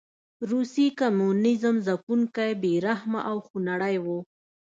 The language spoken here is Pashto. روسي کمونېزم ځپونکی، بې رحمه او خونړی و.